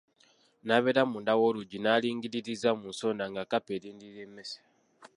N'abeera munda w'oluggi ng'alingiririza mu nsonda nga kapa erindirira emmese.